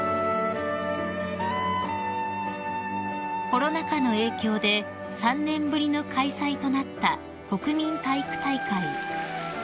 ［コロナ禍の影響で３年ぶりの開催となった国民体育大会］